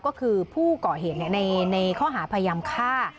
ก็คือผู้ก่อเหตุในข้อหาพยายามฆ่า